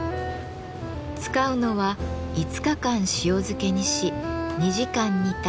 使うのは５日間塩漬けにし２時間煮た豚バラ肉の塊。